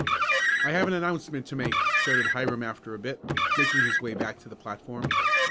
"I have an announcement to make!" shouted Hiram after a bit, making his way back to the platform.